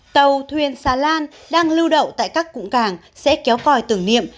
tàu thuyền xà lan đang lưu đậu tại các cụng cảng sẽ kéo còi tử nghiệm